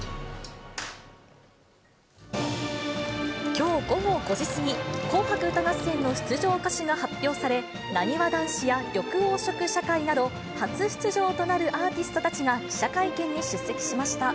きょう午後５時過ぎ、紅白歌合戦の出場歌手が発表され、なにわ男子や緑黄色社会など、初出場となるアーティストたちが記者会見に出席しました。